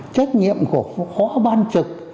trách nhiệm của họ ban trực